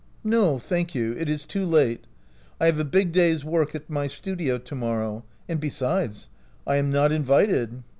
" No, thank you, it is too late ; I have a big day's work at my studio to morrow ; and besides, I am not invited."